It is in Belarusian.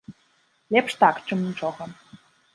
Лепш так, чым нічога.